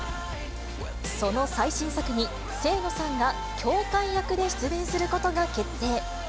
その最新作に、清野さんが羌かい役で出演することが決定。